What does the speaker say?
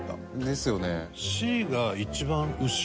ですよね。